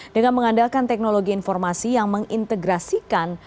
dengan mengandalkan teknologi informasi yang mengintegrasikan